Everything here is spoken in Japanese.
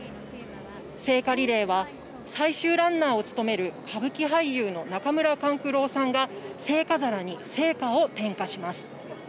聖火リレーは最終ランナーを務める歌舞伎俳優の中村勘九郎さんが聖火皿に聖火を点火します。